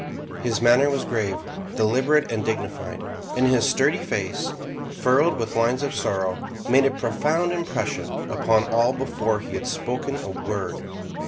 His manner was grave, deliberate and dignified; and his sturdy face, furrowed with lines of sorrow, made a profound impression upon all before he had spoken a word.